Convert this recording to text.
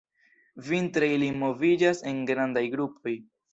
Vintre ili moviĝas en grandaj grupoj.